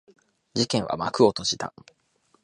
事件は幕を閉じた。